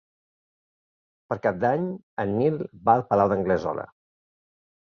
Per Cap d'Any en Nil va al Palau d'Anglesola.